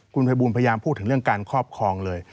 คุณภัยบูลพยายามพูดถึงเรื่องการครอบครองเลย